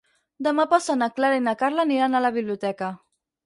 Demà passat na Clara i na Carla aniran a la biblioteca.